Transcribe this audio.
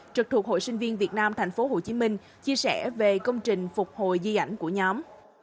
trực thuộc hội sinh viên việt nam tp hcm chia sẻ về công trình phục hồi di ảnh của nhóm